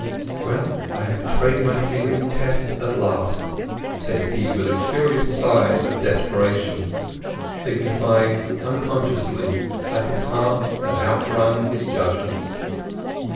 "Well, I have betrayed my feeling, Tess, at last," said he, with a curious sigh of desperation, signifying unconsciously that his heart had outrun his judgement.